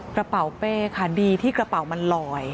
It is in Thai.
กระเป๋าเป้ค่ะดีที่กระเป๋ามันลอย